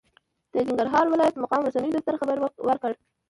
د ننګرهار ولايت مقام رسنیو دفتر خبر ورکړ،